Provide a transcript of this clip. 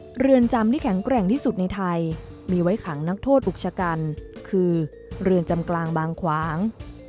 เรือนจำที่แข็งแกร่งที่สุดในไทยมีไว้ขังนักโทษอุกชะกันคือเรือนจำกลางบางขวาง